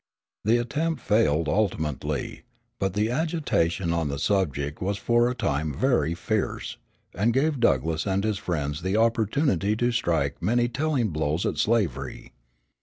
The attempt failed ultimately; but the agitation on the subject was for a time very fierce, and gave Douglass and his friends the opportunity to strike many telling blows at slavery.